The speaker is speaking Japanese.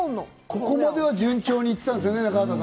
ここまでは順調に行ってましたよね。